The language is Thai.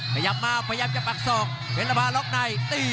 ขยับมาพยายามจะปักศอกเพชรภาล็อกในตี